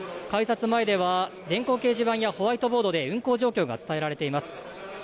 改札前では電光掲示板やホワイトボードで運行状況が伝えられています。